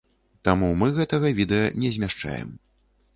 Таму мы гэтага відэа не змяшчаем.